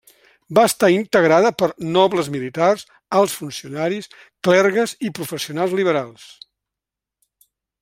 Va estar integrada per nobles, militars, alts funcionaris, clergues i professionals liberals.